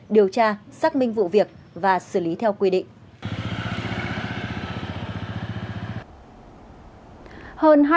điều tra xác minh vụ việc và xử lý theo quy định